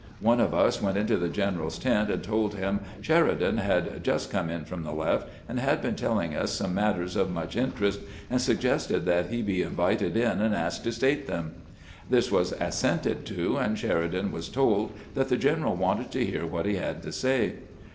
One of us went into the gen eral's tent, and told him Sheridan had just come in from the left and had been telling us some matters of much interest, and suggested that he be invited in and asked to state them. This was assented to, and Sheridan was told that the general wanted to hear what he had to say.